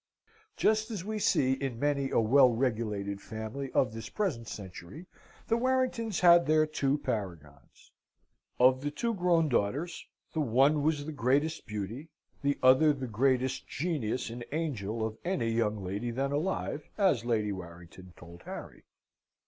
Just as we see in many a well regulated family of this present century, the Warringtons had their two paragons. Of the two grown daughters, the one was the greatest beauty, the other the greatest genius and angel of any young lady then alive, as Lady Warrington told Harry.